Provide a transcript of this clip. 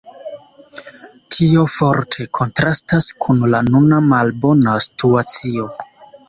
Tio forte kontrastas kun la nuna malbona situacio.